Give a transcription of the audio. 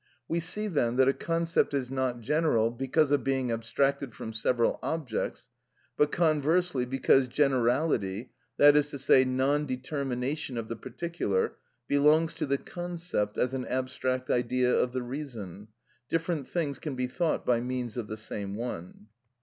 We see then that a concept is not general because of being abstracted from several objects; but conversely, because generality, that is to say, non determination of the particular, belongs to the concept as an abstract idea of the reason, different things can be thought by means of the same one.